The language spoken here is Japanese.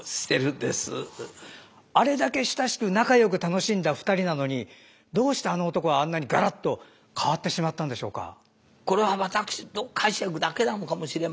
あれだけ親しく仲良く楽しんだ２人なのにどうしてあの男はあんなにガラッと変わってしまったんでしょうか。